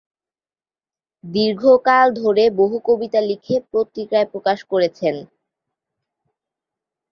দীর্ঘ কাল ধরে বহু কবিতা লিখে পত্রিকায় প্রকাশ করেছেন।